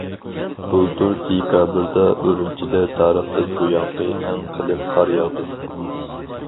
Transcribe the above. بۇلتۇر دېكابىردا ئۈرۈمچىدە تارىختىن بۇيانقى ئەڭ قېلىن قار ياغدى.